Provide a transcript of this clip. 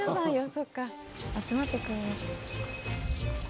そっか集まってくる」